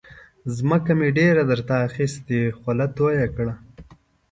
ځمکه مې در ته اخستې خوله تویه کړه.